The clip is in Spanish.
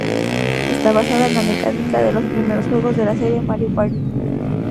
Esta basado en la mecánica de los primeros juegos de la serie Mario Party.